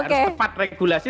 harus tepat regulasi